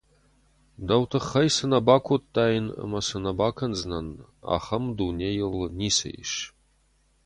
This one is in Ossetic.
Дӕу тыххӕй цы нӕ бакодтаин ӕмӕ цы нӕ бакӕндзынӕн, ахӕм дунейыл ницы ис.